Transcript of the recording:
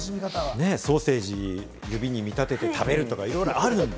ソーセージを指に見立てて食べるとか、いろいろありますから。